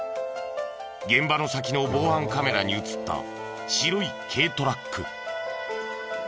現場の先の防犯カメラに映った白い軽トラック。